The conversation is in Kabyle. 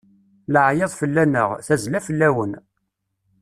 Laɛyaḍ fell-aneɣ, tazzla fell-awen.